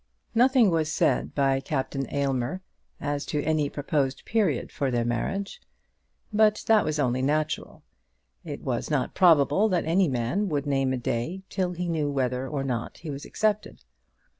Nothing was said by Captain Aylmer as to any proposed period for their marriage; but that was only natural. It was not probable that any man would name a day till he knew whether or not he was accepted.